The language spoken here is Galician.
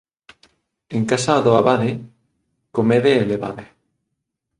En casa do abade comede e levade.